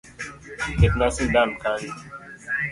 Ketna sindan kanyo